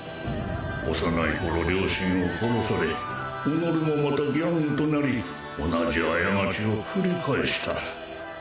幼い頃両親を殺され己もまたギャングとなり同じ過ちを繰り返した。